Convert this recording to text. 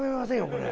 これ。